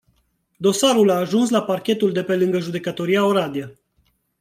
Dosarul a ajuns la parchetul de pe lângă judecătoria Oradea.